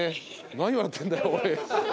何笑ってんだよおい。